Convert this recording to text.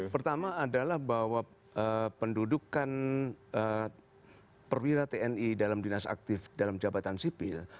pertama adalah bahwa pendudukan perwira tni dalam dinas aktif dalam jabatan sipil